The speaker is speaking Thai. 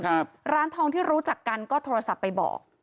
ร้านทองที่รู้จักกันก็โทรศัพท์ไปบอก